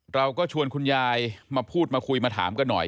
เราก็ชวนคุณยายมาพูดมาคุยมาถามกันหน่อย